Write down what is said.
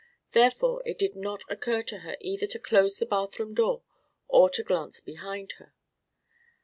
Therefore, it did not occur to her either to close the bathroom door or to glance behind her.